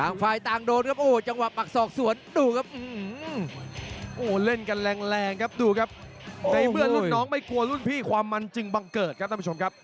ในเบื่อนรุ่นน้องไม่กลัวรุ่นพี่ความมันจึงบังเกิดครับท่านผู้ชมครับ